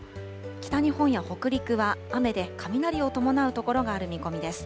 北日本や北陸は雨で、雷を伴う所がある見込みです。